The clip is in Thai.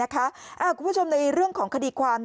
คุณผู้ชมในเรื่องของคดีความ